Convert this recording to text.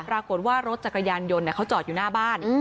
ปรากฏว่ารถจักรยานยนต์เขาจอดอยู่หน้าบ้าน